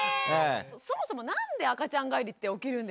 そもそもなんで赤ちゃん返りって起きるんですか？